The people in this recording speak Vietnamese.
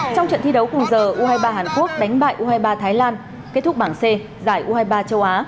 trong trận thi đấu cùng giờ u hai mươi ba hàn quốc đánh bại u hai mươi ba thái lan kết thúc bảng c giải u hai mươi ba châu á